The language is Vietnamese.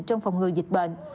trong phòng ngừa dịch bệnh